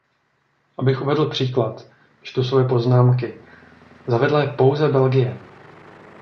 Abych uvedl příklad, čtu svoje poznámky, zavedla je pouze Belgie.